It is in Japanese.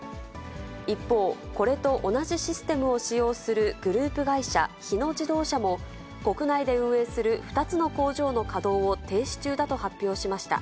一方、これと同じシステムを使用するグループ会社、日野自動車も国内で運営する２つの工場の稼働を停止中だと発表しました。